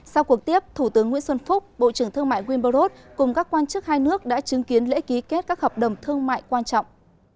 sau cuộc tiếp thủ tướng nguyễn xuân phúc bộ trưởng thương mại winbrod cùng các quan chức hai nước đã chứng kiến lễ ký kết các hợp đồng thương mại quan trọng